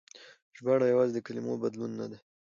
ژباړه يوازې د کلمو بدلول نه دي.